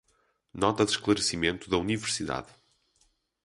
Nota de esclarecimento da universidade